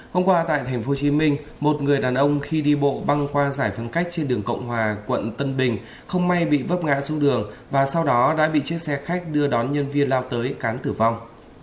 hôm qua tại tp hcm một người đàn ông khi đi bộ băng qua giải phóng cách trên đường cộng hòa quận tân bình không may bị vấp ngã xuống đường và sau đó đã bị chiếc xe khách đưa đón nhân viên lao tới cán tử vong